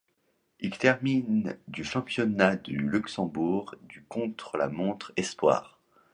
Il termine du championnat du Luxembourg du contre-la-montre espoirs.